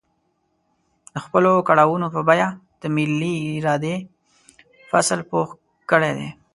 د خپلو کړاوونو په بيه د ملي ارادې فصل پوخ کړی دی.